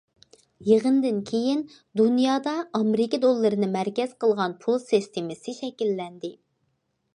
يىغىندىن كېيىن دۇنيادا ئامېرىكا دوللىرىنى مەركەز قىلغان پۇل سىستېمىسى شەكىللەندى.